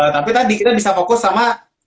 tapi tadi kita bisa fokus sama